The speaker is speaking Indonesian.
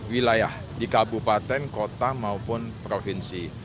wilayah di kabupaten kota maupun provinsi